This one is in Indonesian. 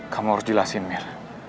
kamu harus jelasin mir